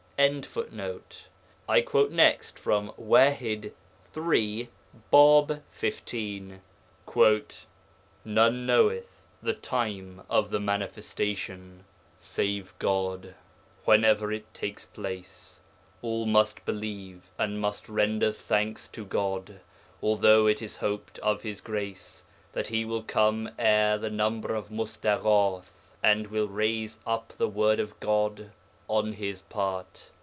] I quote next from Waḥid III. Bāb 15: 'None knoweth [the time of] the Manifestation save God: whenever it takes place, all must believe and must render thanks to God, although it is hoped of His Grace that He will come ere [the number of] Mustaghath, and will raise up the Word of God on his part.